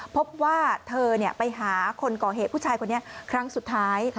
พบว่าเธอไปหาคนก่อเหตุผู้ชายคนนี้ครั้งสุดท้าย